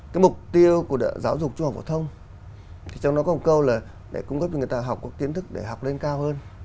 cái mục tiêu của giáo dục trung học phổ thông thì trong đó có một câu là để cung cấp cho người ta học các kiến thức để học lên cao hơn